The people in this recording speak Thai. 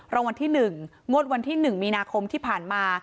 รวมวันที่หนึ่งงวดวันที่หนึ่งมีนาคมที่ผ่านมา